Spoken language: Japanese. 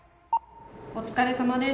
お疲れさまです。